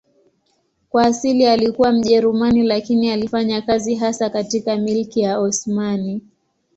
Kwa asili alikuwa Mjerumani lakini alifanya kazi hasa katika Milki ya Osmani.